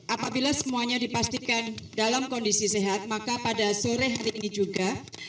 apabila semuanya dipastikan dalam kondisi sehat maka pada sore hari ini juga